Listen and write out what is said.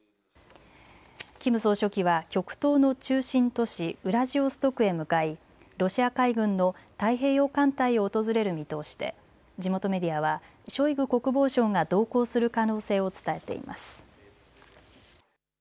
キム総書記は極東の中心都市、ウラジオストクへ向かいロシア海軍の太平洋艦隊を訪れる見通しで地元メディアはショイグ国防相が同行する可能性を伝えています。